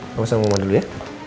kamu sama mama dulu ya